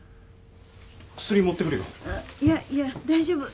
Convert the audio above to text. いやいや大丈夫。